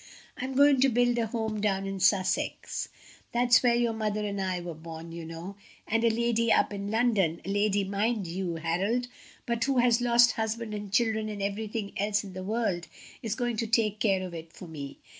"I am going to build a Home down in Sussex that's where your mother and I were born, you know and a lady up in London a lady, mind you, Harold, but who has lost husband and children and everything else in the world, is going to take care of it for me.